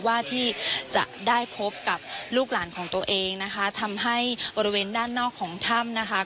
ว่าจะได้พบกับลูกหลานของตัวเองนะคะทำให้บริเวณด้านนอกของถ้ำนะคะ